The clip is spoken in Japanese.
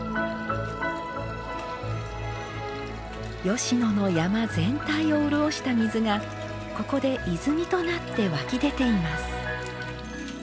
吉野の山全体を潤した水がここで泉となって湧き出ています。